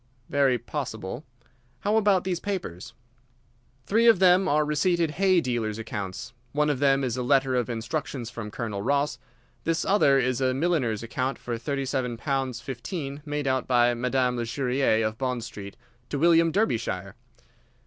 "Very possible. How about these papers?" "Three of them are receipted hay dealers' accounts. One of them is a letter of instructions from Colonel Ross. This other is a milliner's account for thirty seven pounds fifteen made out by Madame Lesurier, of Bond Street, to William Derbyshire.